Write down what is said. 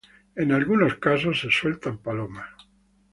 En algunos casos se sueltan palomas.